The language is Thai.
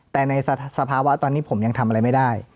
แต่ในสภาวะตอนนี้ผมยังทำอะไรไม่ได้